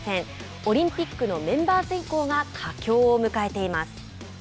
オリンピックのメンバー選考が佳境を迎えています。